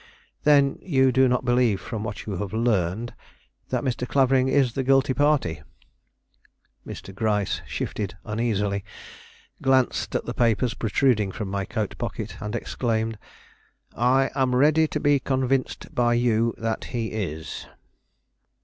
"Then you do not believe, from what you have learned, that Mr. Clavering is the guilty party?" Mr. Gryce shifted uneasily, glanced at the papers protruding from my coat pocket and exclaimed: "I am ready to be convinced by you that he is."